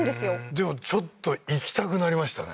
でもちょっと行きたくなりましたね